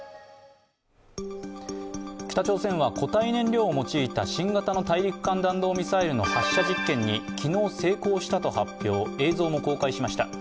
北朝鮮は固体燃料を用いた新型の大陸間弾道ミサイルの発射実験に昨日成功したと発表、映像も公開しました。